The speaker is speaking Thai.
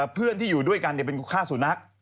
เพื่อนที่อยู่ด้วยกันเนี่ยเป็นคุคคร์สุนัข